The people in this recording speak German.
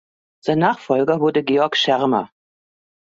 Sein Nachfolger wurde Georg Schermer.